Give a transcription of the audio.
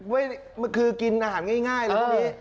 เว้ยคือกินอาหารง่ายหรือไม่ง่าย